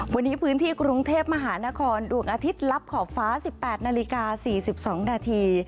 วันนี้พื้นที่กรุงเทพมหานครดวงอาทิตย์ลับขอบฟ้า๑๘นาฬิกา๔๒นาที